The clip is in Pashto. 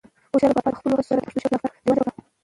خوشحال بابا په خپلو هڅو سره پښتو ژبه د دفتر او دیوان ژبه کړه.